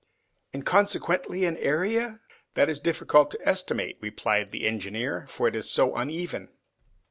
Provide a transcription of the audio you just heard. "And consequently an area?" "That is difficult to estimate," replied the engineer, "for it is so uneven."